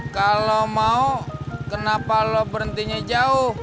kalau mau kenapa lo berhentinya jauh